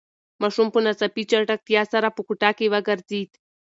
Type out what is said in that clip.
ماشوم په ناڅاپي چټکتیا سره په کوټه کې وگرځېد.